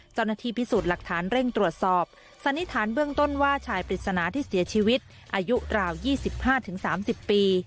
เจ้าหน้าที่พิสูจน์หลักฐานเร่งตรวจสอบสันนิษฐานเบื้องต้นว่าชายปริศนาที่เสียชีวิตอายุราว๒๕๓๐ปี